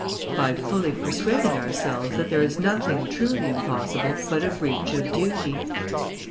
"By fully persuading ourselves that there is nothing truly impossible but a breach of duty."